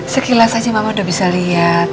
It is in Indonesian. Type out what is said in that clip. sekilas aja sih mama udah bisa lihat